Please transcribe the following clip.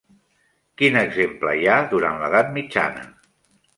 Quin exemple hi ha durant l'edat mitjana?